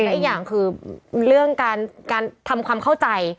และอีกอย่างคือเรื่องการทำความเข้าใจ